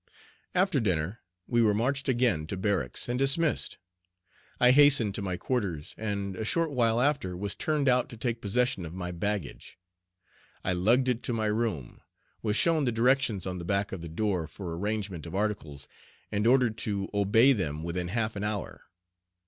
After dinner we were marched again to barracks and dismissed. I hastened to my quarters, and a short while after was turned out to take possession of my baggage. I lugged it to my room, was shown the directions on the back of the door for arrangement of articles, and ordered to obey them within half an hour.